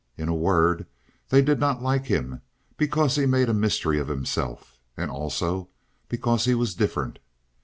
In a word, they did not like him because he made a mystery of himself. And, also, because he was different.